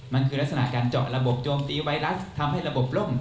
มันคือลักษณะการเจาะระบบโจมตีไวรัสทำให้ระบบล่ม